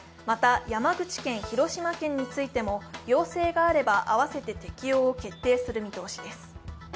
また、山口県、広島県についても要請があれば併せて適用を決定する見通しです。